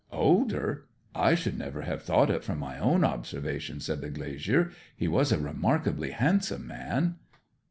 'Older? I should never have thought it from my own observation,' said the glazier. 'He was a remarkably handsome man.'